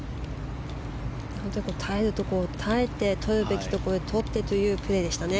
耐えるところを耐えて取るべきところで取ってというプレーでしたね。